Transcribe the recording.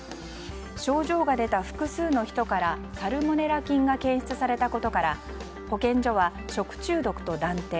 症状が出た複数の人からサルモネラ菌が検出されたことから保健所は食中毒と断定。